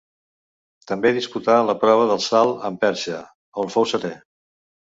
També disputà la prova del salt amb perxa, on fou setè.